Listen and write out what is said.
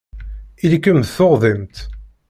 Ili-kem d tuɣdimt.